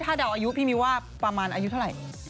ถ้าเดาอายุพี่มิ้วว่าประมาณอายุเท่าไหร่